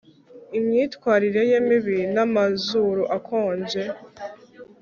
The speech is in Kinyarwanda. imyitwarire ye mibi namazuru akonje